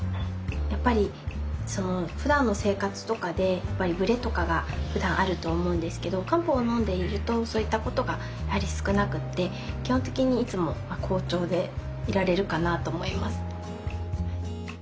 やっぱりふだんの生活とかでブレとかがふだんあると思うんですけど漢方を飲んでいるとそういったことがやはり少なくって基本的にいつも好調でいられるかなと思います。